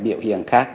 biểu hiện khác